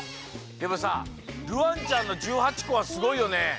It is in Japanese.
でもさるあんちゃんの１８こはすごいよね。